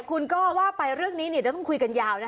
คุณก็ว่าไปเรื่องนี้เดี๋ยวต้องคุยกันยาว